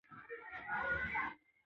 هلمند سیند د افغانستان طبعي ثروت دی.